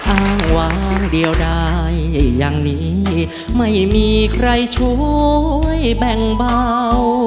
อ้างวางเดียวได้อย่างนี้ไม่มีใครช่วยแบ่งเบา